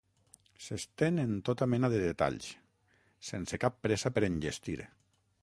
S'estén en tota mena de detalls, sense cap pressa per enllestir.